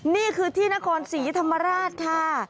นี่คือที่นครศรีธรรมราชค่ะ